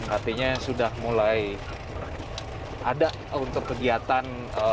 artinya sudah mulai ada untuk kegiatan